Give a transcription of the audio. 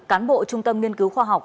cán bộ trung tâm nghiên cứu khoa học